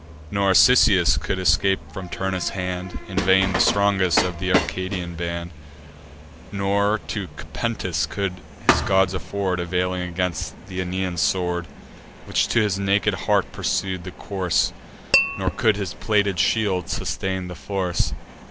Nor, Cisseus, couldst thou scape from Turnus' hand, In vain the strongest of th' Arcadian band: Nor to Cupentus could his gods afford Availing aid against th' Aenean sword, Which to his naked heart pursued the course; Nor could his plated shield sustain the force.